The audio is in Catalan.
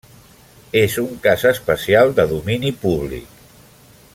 És un cas especial de domini públic.